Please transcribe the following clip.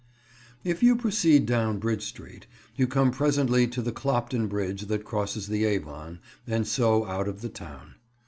If you proceed down Bridge Street you come presently to the Clopton Bridge that crosses the Avon, and so out of the town.